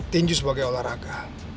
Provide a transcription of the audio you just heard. tinju sebagai olahraga